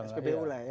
spbu lah ya